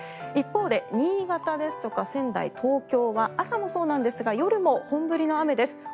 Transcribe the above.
一方で、新潟や仙台、東京は朝もそうなんですが夜も本降りの雨です。